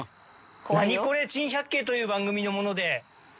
『ナニコレ珍百景』という番組の者で。